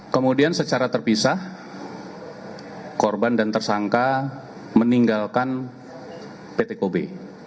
kemudian secara terpisah korban dan tersangka meninggalkan pt kobe